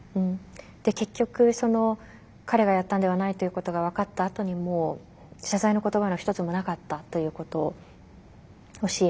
結局彼がやったんではないということが分かったあとにも謝罪の言葉の一つもなかったということを教えてくれて。